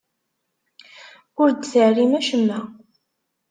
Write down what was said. Ur d-terrim acemma.